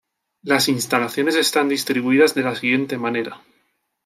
Las instalaciones están distribuidas de la siguiente manera.